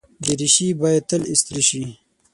دریشي باید تل استری شي.